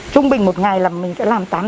trung bình một ngày là mình sẽ làm